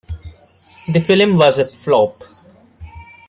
The film was a flop.